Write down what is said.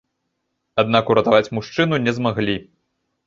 Аднак уратаваць мужчыну не змаглі.